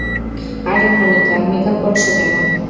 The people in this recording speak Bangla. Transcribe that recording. আরে মনিকা, মেকআপ করছো কেন?